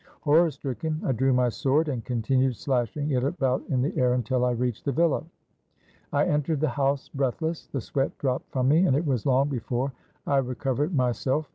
Horror stricken, I drew my sword, and continued slash ing it about in the air until I reached the villa. I en tered the house breathless, the sweat dropped from me, and it was long before I recovered myself.